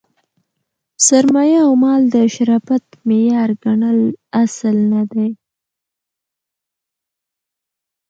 سرمایه او مال د شرافت معیار ګڼل اصل نه دئ.